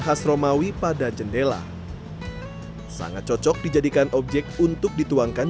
khas romawi pada jendela sangat cocok dijadikan objek untuk dituangkan